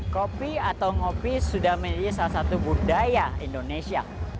kopi atau ngopi sudah menjadi salah satu budaya indonesia